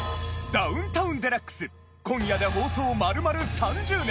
『ダウンタウンＤＸ』今夜で放送丸々３０年！